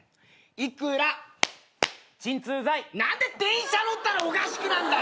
「イクラ」「鎮痛剤」何で電車乗ったらおかしくなんだよ！